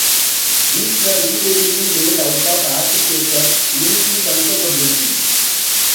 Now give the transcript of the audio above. These were invariably made out of acid paper, limiting conservability.